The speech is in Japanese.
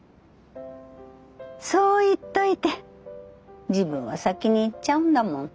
そう言っといて自分は先に逝っちゃうんだもん。